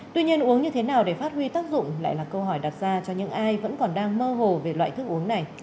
tuy nhiên uống như thế nào để phát huy tác dụng lại là câu hỏi đặt ra cho những ai vẫn còn đang mơ hồ về loại thức uống này